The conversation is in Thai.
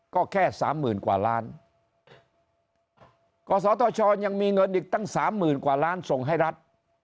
ก็แค่สามหมื่นกว่าล้านกศธชยังมีเงินอีกตั้งสามหมื่นกว่าล้านส่งให้รัฐ